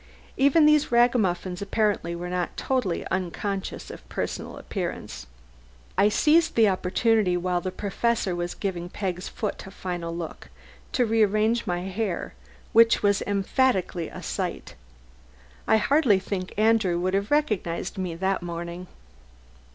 Even these ragamuffins apparently were not totally unconscious of personal appearance. I seized the opportunity, while the Professor was giving Peg's foot a final look, to rearrange my hair, which was emphatically a sight. I hardly think Andrew would have recognized me that morning.